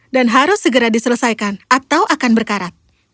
dan harus segera diselesaikan atau akan berkarat